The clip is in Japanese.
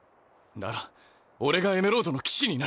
なら俺がエメロードの騎士になる。